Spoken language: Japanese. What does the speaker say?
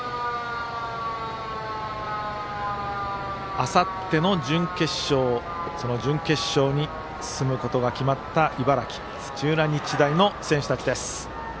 あさっての準決勝に進むことが決まった茨城の土浦日大の選手たち。